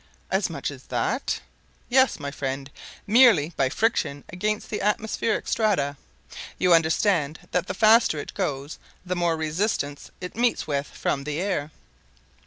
"As much as that?" "Yes, my friend; merely by friction against the atmospheric strata. You understand that the faster it goes the more resistance it meets with from the air."